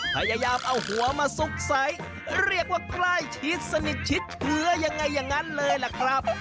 พยายามเอาหัวมาซุกไซส์เรียกว่าใกล้ชิดสนิทชิดเชื้อยังไงอย่างนั้นเลยล่ะครับ